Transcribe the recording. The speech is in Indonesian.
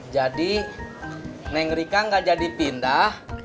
jadi neng rika gak jadi pindah